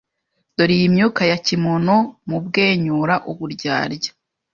Dore iyi myuka ya kimuntu mubwenyura uburyarya